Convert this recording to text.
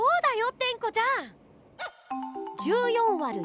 テンコちゃん！